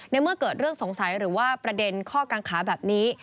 เมื่อเกิดเรื่องสงสัยหรือว่าประเด็นข้อกังขาแบบนี้